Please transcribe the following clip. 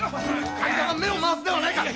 患者が目を回すではないか！